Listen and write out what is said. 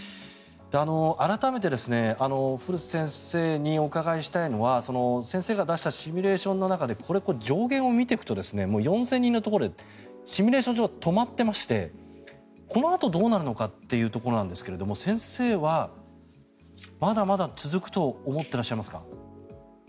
改めて古瀬先生にお伺いしたいのは先生が出したシミュレーションの中でこれ、上限を見ていくと４０００人のところでシミュレーション上では止まっていまして、このあとどうなるかということなんですが先生はまだまだ続くと思っていらっしゃいますか？